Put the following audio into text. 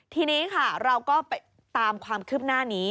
ทีนี้ค่ะเราก็ไปตามความคืบหน้านี้